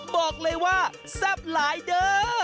บอกเลยว่าแซ่บหลายเด้อ